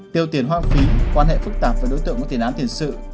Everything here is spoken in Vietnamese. tiêu tiền hoang phí quan hệ phức tạp với đối tượng có tiền án tiền sự